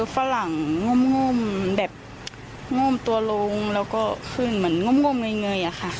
ฝรั่งง่มแบบง่มตัวลงแล้วก็ขึ้นเหมือนง่มเงยอะค่ะ